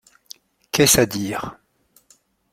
Qu'est-ce à dire?